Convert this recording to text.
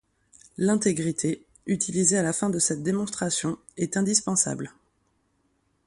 L'intégrité, utilisée à la fin de cette démonstration, est indispensable.